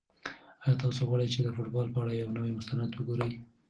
آیا تاسو غواړئ چې د فوټبال په اړه یو نوی مستند وګورئ؟